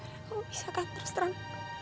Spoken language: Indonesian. padahal kamu bisa kan terus terang